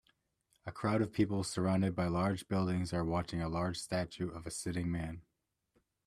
A crowd of people surrounded by large buildings are watching a large statue of a sitting man.